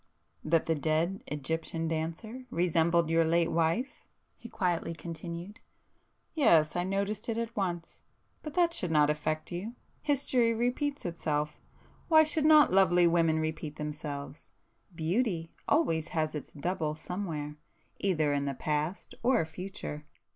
..." "That the dead Egyptian dancer resembled your late wife?" he quietly continued—"Yes,—I noticed it at once. But that should not affect you. History repeats itself,—why should not lovely women repeat themselves? Beauty always has its double somewhere, either in the past or future."